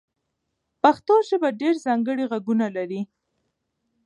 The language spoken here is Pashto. پښتو ژبه ډېر ځانګړي غږونه لري.